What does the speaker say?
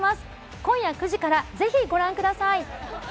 今夜９時からぜひご覧ください。